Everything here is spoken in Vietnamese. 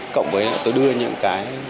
cộng với tôi đưa những cái